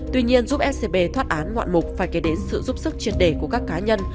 tuy nhiên giúp scb thoát án ngoạn mục phải kể đến sự giúp sức triệt đề của các cá nhân